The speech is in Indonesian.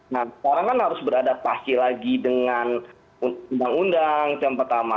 nah sekarang kan harus beradaptasi lagi dengan undang undang itu yang pertama